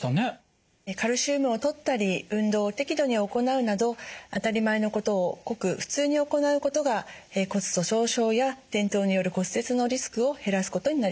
カルシウムをとったり運動を適度に行うなど当たり前のことをごく普通に行うことが骨粗しょう症や転倒による骨折のリスクを減らすことになります。